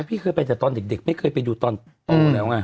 พี่เคยไปแต่ตอนเด็กไม่เคยไปดูตอนโตแล้วไง